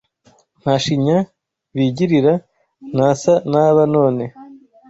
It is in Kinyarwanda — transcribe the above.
Nta shinya bigirira Ntasa n’aba none